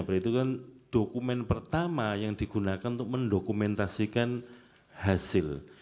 itu kan dokumen pertama yang digunakan untuk mendokumentasikan hasil